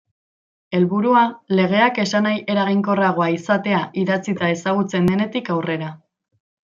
Helburua legeak esanahi eraginkorragoa izatea idatzita ezagutzen denetik aurrera.